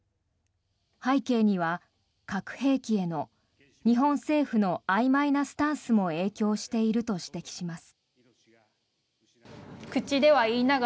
背景には、核兵器への日本政府のあいまいなスタンスも影響していると指摘します。